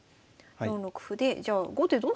４六歩でじゃあ後手どうすれば。